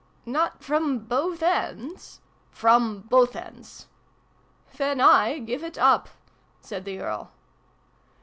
"Not from both ends?" " From both ends." " Then I give it up !" said the Earl.